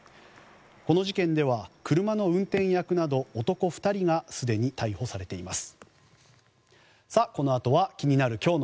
この事件では車の運転役など男２人がすでに逮捕されています。